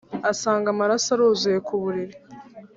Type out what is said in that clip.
asanga amaraso aruzuye ku buriri.